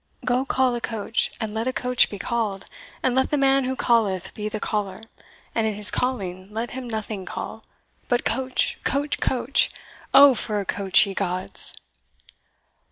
Go call a coach, and let a coach be called, And let the man who calleth be the caller; And in his calling let him nothing call, But Coach! Coach! Coach! O for a coach, ye gods!